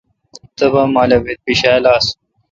تبا مالہ ببیت بیشال آآس